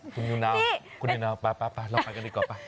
คุณนิวนาวคุณนิวนาวไปเราไปกันดีกว่าไป